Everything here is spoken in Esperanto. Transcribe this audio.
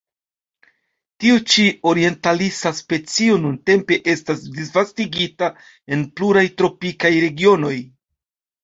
Tiu ĉi orientalisa specio nuntempe estas disvastigita en pluraj tropikaj regionoj.